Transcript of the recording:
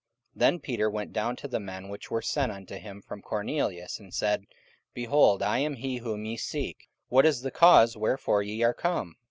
44:010:021 Then Peter went down to the men which were sent unto him from Cornelius; and said, Behold, I am he whom ye seek: what is the cause wherefore ye are come?